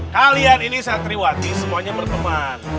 kalian ini santriwati semuanya berteman